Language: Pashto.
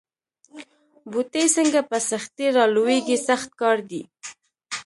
بوټی څنګه په سختۍ را لویېږي سخت کار دی.